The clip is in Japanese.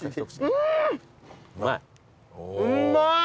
うんまい！